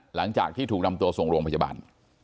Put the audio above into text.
หลังจากที่ถูกนำตัวส่งโรงพยาบาล